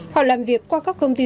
họ làm việc qua các công ty lớn